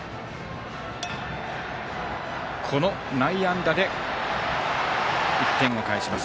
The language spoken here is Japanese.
この内野安打で１点を返します。